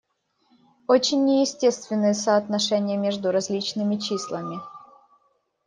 Очень неестественны соотношения между разными числами.